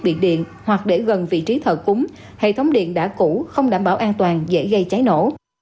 bị điện hoặc để gần vị trí thờ cúng hệ thống điện đã cũ không đảm bảo an toàn dễ gây cháy nổ